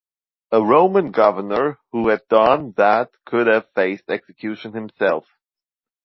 A Roman governor who had done that could have faced execution himself.